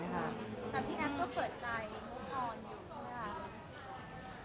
แต่พี่แอฟก็เปิดใจมุมทรอยู่ใช่ไหมล่ะ